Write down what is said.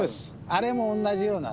あれも同じような。